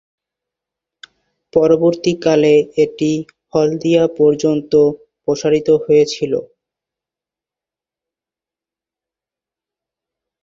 পরবর্তীকালে এটি হলদিয়া পর্যন্ত প্রসারিত হয়েছিল।